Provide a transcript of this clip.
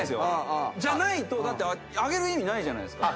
じゃないと上げる意味ないじゃないですか。